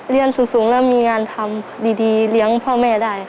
เรียนสูงแล้วมีงานทำดีเลี้ยงพ่อแม่ได้ค่ะ